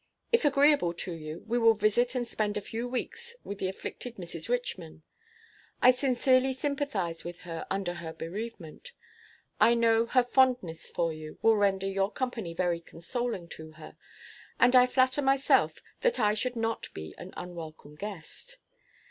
If agreeable to you, we will visit and spend a few weeks with the afflicted Mrs. Richman. I sincerely sympathize with her under her bereavement. I know her fondness for you will render your company very consoling to her; and I flatter myself that I should not be an unwelcome guest.